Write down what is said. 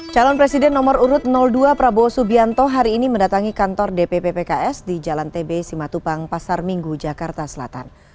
calon presiden nomor urut dua prabowo subianto hari ini mendatangi kantor dpp pks di jalan tb simatupang pasar minggu jakarta selatan